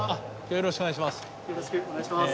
よろしくお願いします。